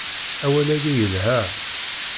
Awal-agi yelha.